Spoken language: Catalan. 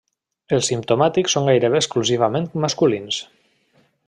Els simptomàtics són gairebé exclusivament masculins.